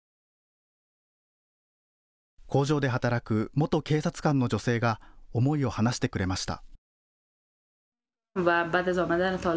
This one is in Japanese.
工場で働く元警察官の女性が思いを話してくれました。